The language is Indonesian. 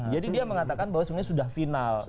jadi dia mengatakan bahwa sebenarnya sudah final